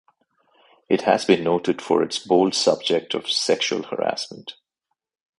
It has been noted for its bold subject of sexual harassment.